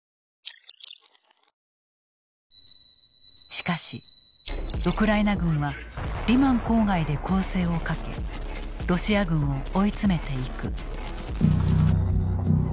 しかしウクライナ軍はリマン郊外で攻勢をかけロシア軍を追い詰めていく。